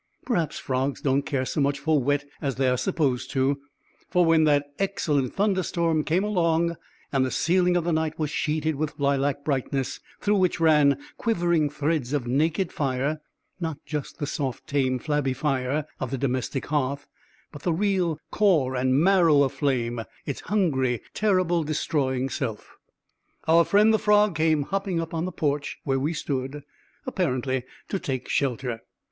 Perhaps frogs don't care so much for wet as they are supposed to, for when that excellent thunderstorm came along and the ceiling of the night was sheeted with lilac brightness, through which ran quivering threads of naked fire (not just the soft, tame, flabby fire of the domestic hearth, but the real core and marrow of flame, its hungry, terrible, destroying self), our friend the frog came hopping up on the porch where we stood, apparently to take shelter.